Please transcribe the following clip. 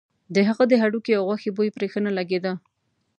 د هغه د هډوکي او غوښې بوی پرې ښه نه لګېده.